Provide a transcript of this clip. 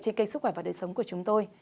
trên kênh sức khỏe và đời sống của chúng tôi